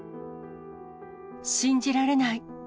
信じられない！